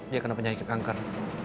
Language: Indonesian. dia kena penyakit kanker